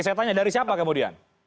saya tanya dari siapa kemudian